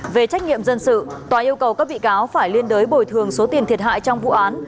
về trách nhiệm dân sự tòa yêu cầu các bị cáo phải liên đối bồi thường số tiền thiệt hại trong vụ án